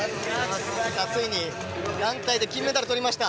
ついに団体で金メダルをとりました。